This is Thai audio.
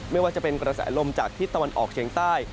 ไม่ว่าจะเป็นกระแสลมจากทิศตะวันออกเฉียงใต้